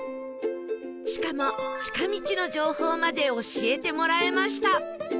しかも近道の情報まで教えてもらえました！